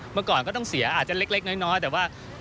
ฮก็ต้องเสียอาจจะเล็กแนน็อดแต่ว่า